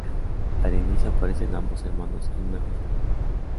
Al inicio aparecen ambos hermanos en una fiesta juvenil.